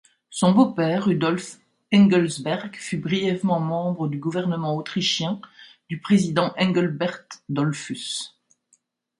Son beau-père, Rudolf Engelsberg, fut brièvement membre du gouvernement autrichien du président Engelbert Dollfuss.